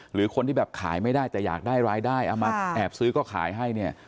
หรือคนที่แบบขายไม่ได้แต่อยากได้รายได้เอามาแอบซื้อก็ขายให้เนี่ย